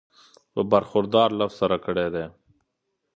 پۀ برخوردار لفظ سره کړی دی